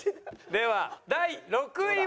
では第６位は。